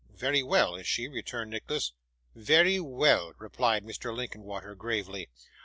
'Very well, is she?' returned Nicholas. 'Very well,' replied Mr. Linkinwater, gravely.